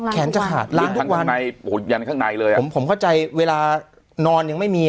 แขนจะขาดล้างทุกวันอย่างข้างในเลยผมเข้าใจเวลานอนยังไม่มีอ่ะ